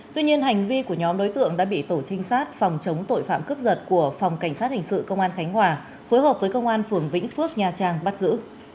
tuy nhiên hành vi của nhóm đối tượng đã bị tổ trinh sát phòng chống tội phạm cướp giật của phòng cảnh sát hình sự công an khánh hòa phối hợp với công an phường vĩnh phước nha trang bắt giữ